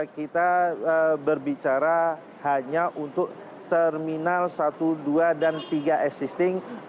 kita berbicara hanya untuk terminal satu dua dan tiga existing